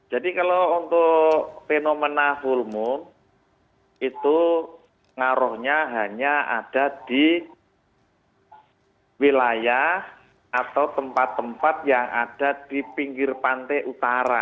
jadi kalau untuk fenomena full moon itu pengaruhnya hanya ada di wilayah atau tempat tempat yang ada di pinggir pantai utara